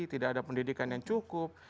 tidak ada pendidikan yang cukup